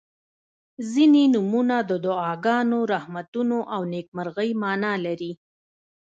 • ځینې نومونه د دعاګانو، رحمتونو او نیکمرغۍ معنا لري.